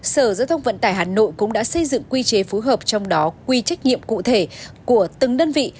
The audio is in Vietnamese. sở giao thông vận tải hà nội cũng đã xây dựng quy chế phối hợp trong đó quy trách nhiệm cụ thể của từng đơn vị